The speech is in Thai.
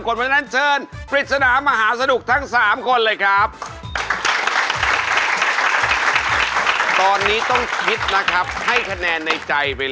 ขอบคุณที่ไป